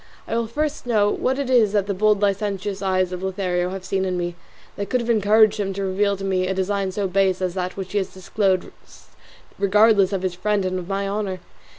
I will first know what it is that the bold licentious eyes of Lothario have seen in me that could have encouraged him to reveal to me a design so base as that which he has disclosed regardless of his friend and of my honour.